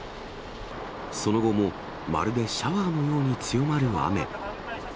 その後も、まるでシャワーのように強まる雨。